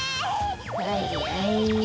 はいはい。